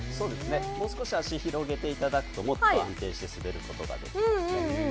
もう少し足を広げていただくと、もっと安定して滑ることができますね。